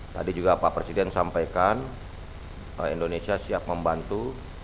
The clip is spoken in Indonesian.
tadi juga pak presiden sampaikan indonesia siap membantu